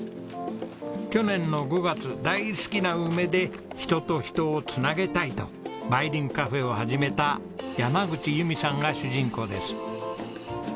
去年の５月大好きな梅で人と人をつなげたいと梅凛ｃａｆｆｅを始めた山口由美さんが主人公です。